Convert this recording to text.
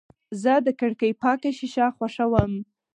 زه د کړکۍ پاکه شیشه خوښوم.